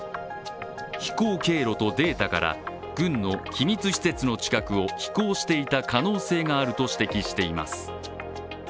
飛行経路とデータから軍の機密施設の近くを飛行していた可能性があると指摘しています。